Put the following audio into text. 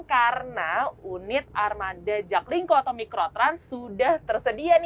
karena unit armada jaklinko atau mikrotrans sudah tersedia